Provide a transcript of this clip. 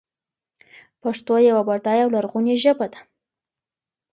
پښتو يوه بډايه او لرغونې ژبه ده.